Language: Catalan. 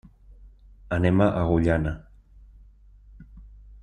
Anem a Agullana.